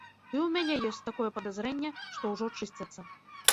І ў мяне ёсць такое падазрэнне, што ўжо чысцяцца.